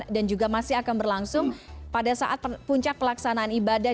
dan juga masih akan berlangsung pada saat puncak pelaksanaan ibadah